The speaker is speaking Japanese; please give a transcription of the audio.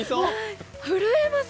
震えます